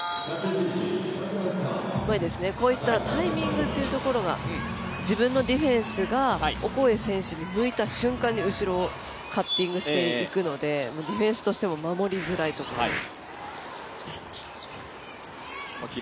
こういったタイミングっていうところが自分のディフェンスがオコエ選手に向いた瞬間に後ろをカッティングしていくのでディフェンスとしても守りづらいところです。